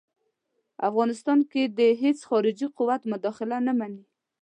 افغانستان کې د هیڅ خارجي قوت مداخله نه مني.